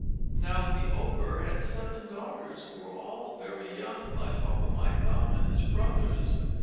Now the Ogre had seven daughters, who were all very young like Hop o' my thumb and his brothers.